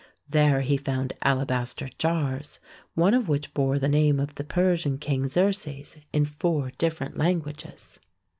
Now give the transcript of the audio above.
There he found alabaster jars, one of which bore the name of the Persian King Xerxes in four different languages.